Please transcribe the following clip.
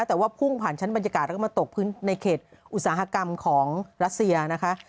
แต่ว่าพุ่งผ่านชั้นบรรยากาศแล้วก็มาตกพื้นในเขตอุตสาหกรรมของรัสเซียนะคะ